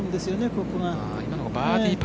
ここが。